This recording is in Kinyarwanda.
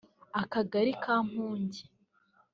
akagali ka Mpunge